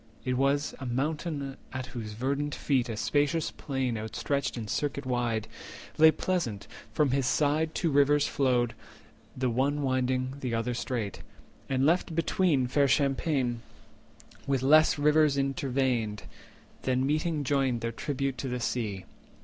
It was a mountain at whose verdant feet A spacious plain outstretched in circuit wide Lay pleasant; from his side two rivers flowed, The one winding, the other straight, and left between Fair champaign, with less rivers interveined, Then meeting joined their tribute to the sea.